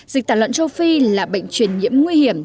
dịch tả lợn châu phi là bệnh truyền nhiễm nguy hiểm